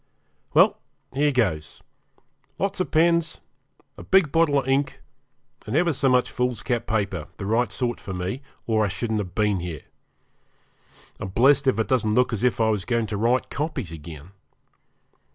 ..... Well, here goes. Lots of pens, a big bottle of ink, and ever so much foolscap paper, the right sort for me, or I shouldn't have been here. I'm blessed if it doesn't look as if I was going to write copies again.